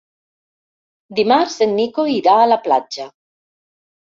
Dimarts en Nico irà a la platja.